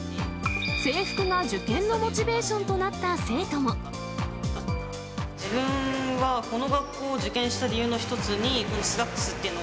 制服が受験のモチベーションとな自分は、この学校を受験した理由の一つに、このスラックスっていうの。